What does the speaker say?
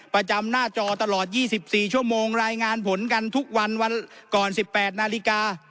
ประจำหน้าจอตลอดยี่สิบสี่ชั่วโมงรายงานผลกันทุกวันวันก่อนสิบแปดนาฬิกา